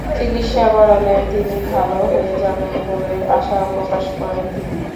চিকিৎসা করালে তিনি ভালো হয়ে যাবেন বলে আশা প্রকাশ করেন তিনি।